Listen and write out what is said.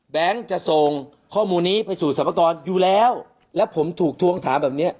จะส่งข้อมูลนี้ไปสู่สรรพากรอยู่แล้วแล้วผมถูกทวงถามแบบเนี้ย